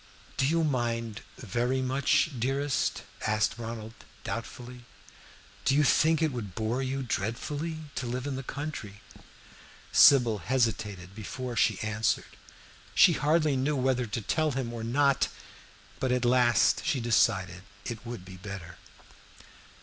"Do you mind very much, dearest?" asked Ronald, doubtfully. "Do you think it would bore you dreadfully to live in the country?" Sybil hesitated before she answered. She hardly knew whether to tell him or not, but at last she decided it would be better.